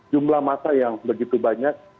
jumlah masa yang begitu banyak